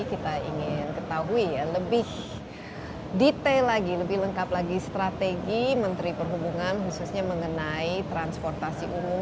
kita ingin ketahui ya lebih detail lagi lebih lengkap lagi strategi menteri perhubungan khususnya mengenai transportasi umum